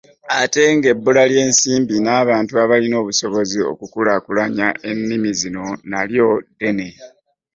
Ate ng'ebbula ly'ensimbi n'abantu abalina obusobozi okukulaakulanya ennimi zino nalyo ddene.